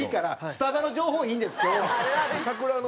スタバの情報いいんです今日は。